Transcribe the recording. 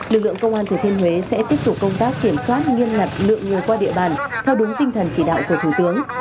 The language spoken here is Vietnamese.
lực lượng công an thừa thiên huế sẽ tiếp tục công tác kiểm soát nghiêm ngặt lượng người qua địa bàn theo đúng tinh thần chỉ đạo của thủ tướng